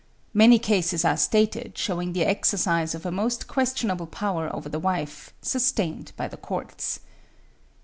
Many cases are stated, showing the exercise of a most questionable power over the wife, sustained by the courts.